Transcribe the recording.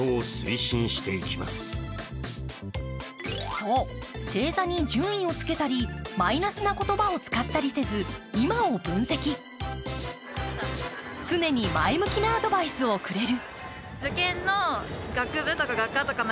そう、星座に順位をつけたりマイナスな言葉を使ったりせず今を分析、常に前向きなアドバイスをくれる。